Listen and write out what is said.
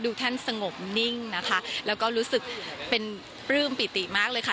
ท่านสงบนิ่งนะคะแล้วก็รู้สึกเป็นปลื้มปิติมากเลยค่ะ